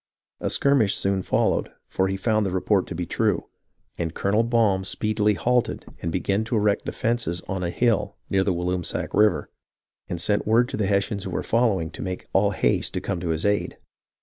A skirmish soon followed, for he found the report to be true ; and Colonel Baum speedily halted and began to erect defences on a hill near the Walloomsac River, and sent word to the Hessians who were following to make all haste to come to his aid.